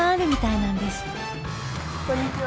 こんにちは！